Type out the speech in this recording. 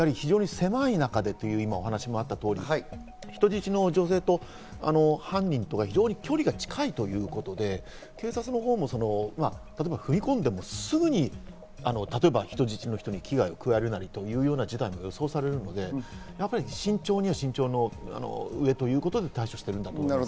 ただ非常に狭い中でという話もあった通り、人質の女性と犯人と、距離が近いということで、警察のほうも例えば踏み込んでもすぐに、例えば人質の人に危害を加えるような事態も予想されるので、やはり慎重には慎重の上ということで対処していると思います。